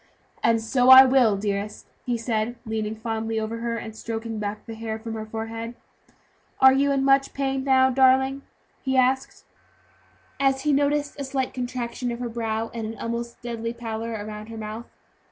"And so I will, dearest," he said, leaning fondly over her, and stroking back the hair from her forehead. "Are you in much pain now, darling?" he asked, as he noticed a slight contraction of her brow, and an almost deadly pallor around her mouth.